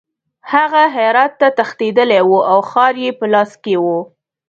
هغه هرات ته تښتېدلی وو او ښار یې په لاس کې وو.